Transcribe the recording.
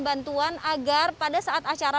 bantuan agar pada saat acara